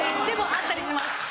でもあったりします。